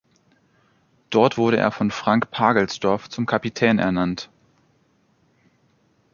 Dort wurde er von Frank Pagelsdorf zum Kapitän ernannt.